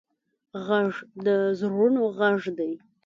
غږ د زړونو غږ دی